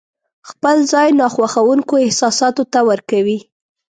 خپل ځای ناخوښونکو احساساتو ته ورکوي.